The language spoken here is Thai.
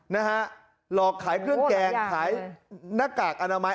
นะฮะหลอกไขเพื่อนแกงไขหน้ากากอนามัย